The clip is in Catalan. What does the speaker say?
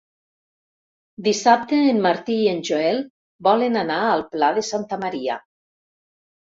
Dissabte en Martí i en Joel volen anar al Pla de Santa Maria.